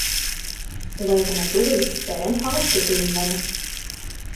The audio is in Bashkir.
Улай ғына түгел, тәрән һағышты тойомланы.